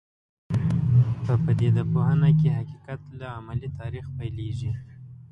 په پدیده پوهنه کې حقیقت له عملي تاریخ پیلېږي.